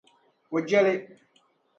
O je li.